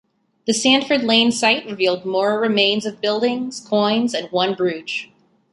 The Sandford Lane site revealed more remains of buildings, coins and one brooch.